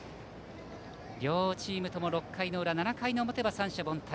両チームとも６回裏、７回表は三者凡退。